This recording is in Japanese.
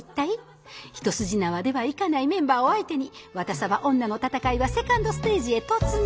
一筋縄ではいかないメンバーを相手に「ワタサバ女」の戦いはセカンドステージへ突入